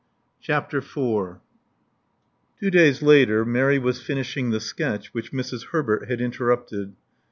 CHAPTER IV Two days later, Mary was finishing the sketch which Mrs. Herbert had interrupted.